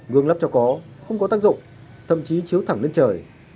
gương lắp cho có không có tác dụng thậm chí chiếu thẳng lên trời